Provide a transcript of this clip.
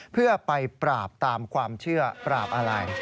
เพื่อไปปราบตามความเชื่อปราบอะไร